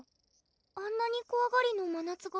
あんなにこわがりのまなつが？